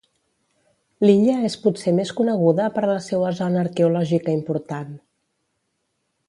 L'illa és potser més coneguda per la seua zona arqueològica important.